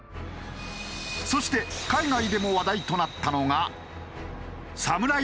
そして海外でも話題となったのがサムライ